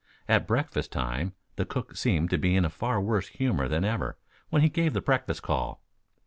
At breakfast time the cook seemed to be in a far worse humor than ever when he gave the breakfast call.